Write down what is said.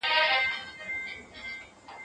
کیسه پېچلتیا نه لري.